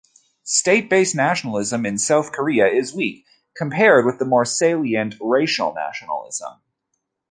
State-based nationalism in South Korea is weak, compared with the more salient racial nationalism.